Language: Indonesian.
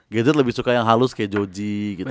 gajet lebih suka yang halus kayak joji gitu